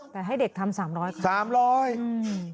แต่ให้เด็กทำ๓๐๐ครั้ง